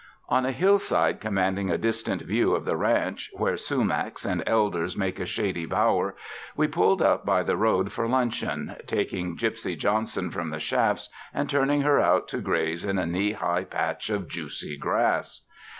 On a hillside commanding a distant view of the ranch, where sumacs and elders make a shady bower, we pulled up by the road for luncheon, taking Gypsy Johnson from the shafts and turning her out to graze in a knee high patch of juicy grass.